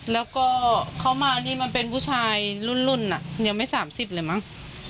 แล้วก็เขามานี่มันเป็นผู้ชายรุ่นยังไม่๓๐เลยมั้ง